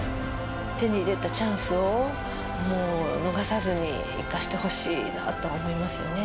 手に入れたチャンスをもう逃さずに、生かしてほしいなとは思いますよね。